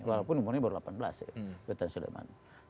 walaupun umurnya baru delapan belas ya witan suleman